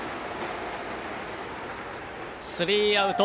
スリーアウト。